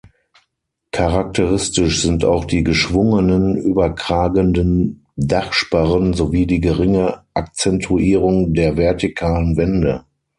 Charakteristisch sind auch die geschwungenen, überkragenden Dachsparren sowie die geringe Akzentuierung der vertikalen Wände.